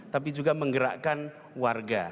tapi juga menggerakkan warga